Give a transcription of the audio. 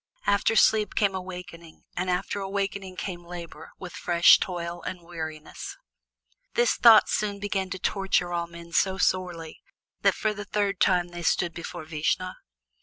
After sleep came awakening, and after awakening came labor with fresh toil and weariness. This thought began soon to torture all men so sorely, that for the third time they stood before Vishnu.